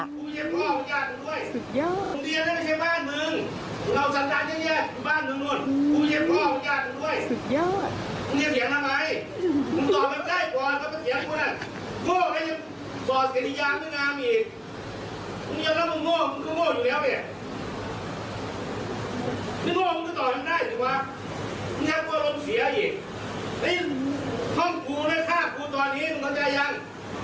โน้ยอวดฉลาดเหยียกสันดานไม่ดีมึง